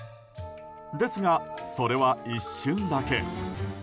ですが、それは一瞬だけ。